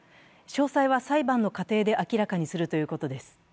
詳細は裁判の過程で明らかにするということです。